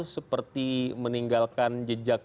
seperti meninggalkan jejak